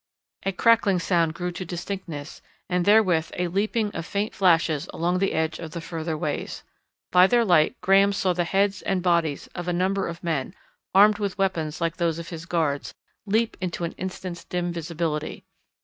A crackling sound grew to distinctness, and therewith a leaping of faint flashes along the edge of the further ways. By their light Graham saw the heads and bodies of a number of men, armed with weapons like those of his guards, leap into an instant's dim visibility.